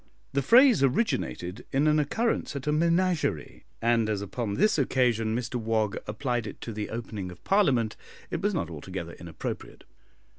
The phrase originated in an occurrence at a menagerie, and as upon this occasion Mr Wog applied it to the opening of Parliament, it was not altogether inappropriate.